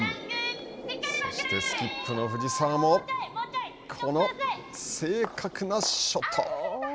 そしてスキップの藤澤もこの正確なショット。